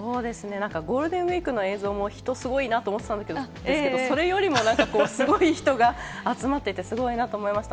なんかゴールデンウィークの映像も人すごいなと思ってたんですけど、それよりもなんかこう、すごい人が集まってて、すごいなと思いました。